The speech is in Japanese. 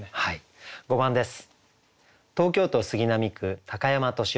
５番です。